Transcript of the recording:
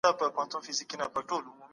تاسي باید خپله هره مننه الله ته منسوب کړئ.